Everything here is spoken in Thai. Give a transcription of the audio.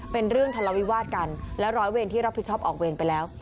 เป็นเรื่องทะเลาวิวาสกันและร้อยเวรที่รับผิดชอบออกเวรไปแล้ว